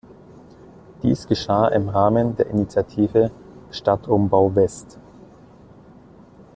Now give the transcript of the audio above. Dies geschah im Rahmen der Initiative „Stadtumbau West“.